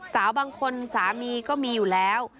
สาวบางคนสามีก็มีอยู่แล้ว